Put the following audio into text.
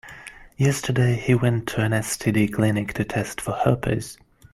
Yesterday, he went to an STD clinic to test for herpes.